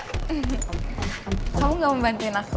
kamu gak mau bantuin aku